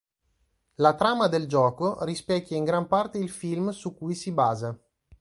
La trama del gioco rispecchia in gran parte il film su cui si basa.